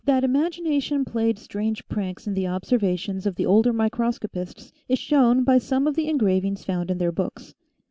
That imagination played strange pranks in the observa tions of the older microscopists is shown by some of the engravings found in their books.